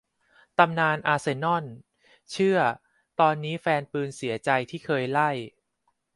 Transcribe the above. ตำนาน อาร์เซนอล เชื่อตอนนี้แฟนปืนเสียใจที่เคยไล่